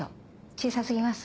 小さ過ぎます？